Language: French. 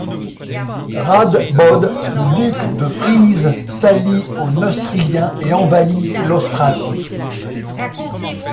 Radbod, le duc de Frise s'allie au Neustriens et envahit l'Austrasie.